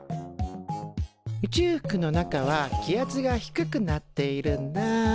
宇宙服の中は気圧が低くなっているんだ。